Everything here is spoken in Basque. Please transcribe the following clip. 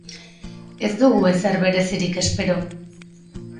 Ez dugu ezer berezirik espero.